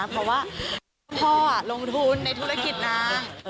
เพราะว่าพ่อลงทุนในธุรกิจนาง